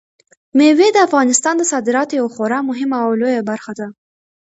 مېوې د افغانستان د صادراتو یوه خورا مهمه او لویه برخه ده.